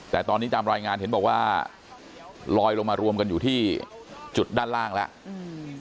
แต่ตอนนี้ตามรายงานเห็นบอกว่าลอยลงมารวมกันอยู่ที่จุดด้านล่างแล้วอืม